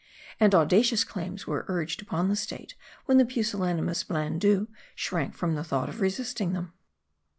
And audacious claims were urged upon the state when the pusillanimous Blandoo shrank from the thought of resisting them.